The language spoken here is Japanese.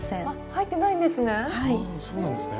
入ってないんですね。